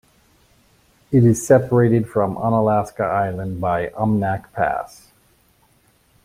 It is separated from Unalaska Island by Umnak Pass.